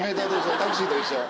タクシーと一緒。